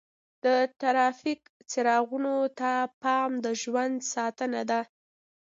د ټرافیک څراغونو ته پام د ژوند ساتنه ده.